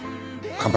乾杯！